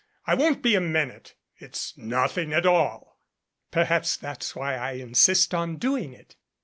I won't be a minute. It's nothing at all." "Perhaps that's why I insist on doing it."